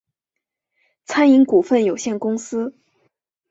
餐饮股份有限公司